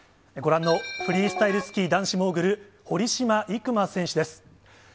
ご覧のフリースタイルスキー男子モーグル、堀島行真選手です。